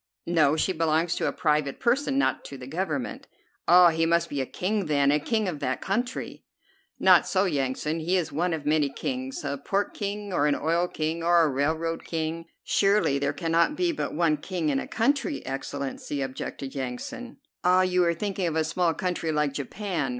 "No, she belongs to a private person, not to the Government." "Ah, he must be a king, then, a king of that country." "Not so, Yansan; he is one of many kings, a pork king, or an oil king or a railroad king." "Surely there cannot be but one king in a country, Excellency," objected Yansan. "Ah, you are thinking of a small country like Japan.